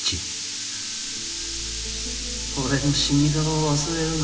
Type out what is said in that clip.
俺の死に顔を忘れるな。